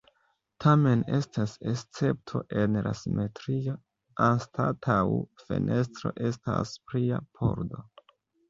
Tamen estas escepto en la simetrio, anstataŭ fenestro estas plia pordo.